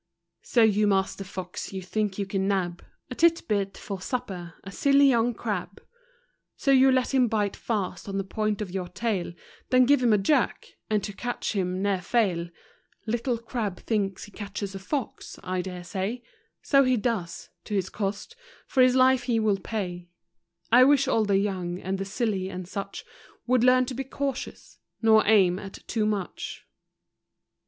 So you master Fox, you think you can nab A titbit for supper, a silly young crab. So you let him bite fast on the point of your tail, Then give him a jerk, and to catch him ne'er fail. Little crab thinks he catches the fox, I dare say; So he does, to his cost, for his life he will pay. I wish all the young, and the silly, and such, Would learn to be cautious, nor aim at too much